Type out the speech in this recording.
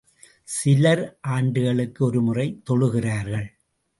சிலர் ஆண்டுக்கு ஒரு முறை தொழுகிறார்கள்.